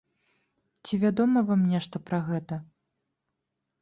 Ці вядома вам нешта пра гэта?